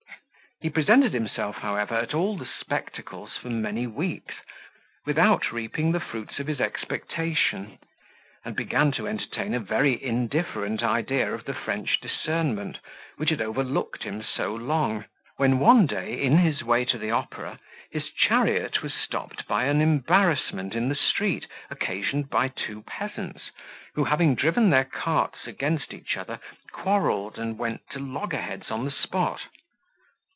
He presented himself, however, at all the spectacles for many weeks, without reaping the fruits of his expectation; and began to entertain a very indifferent idea of the French discernment, which had overlooked him so long, when one day, in his way to the opera, his chariot was stopped by an embarrass in the street, occasioned by two peasants, who having driven their carts against each other, quarrelled, and went to loggerheads on the spot.